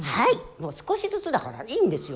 もう少しずつだからいいんですよ。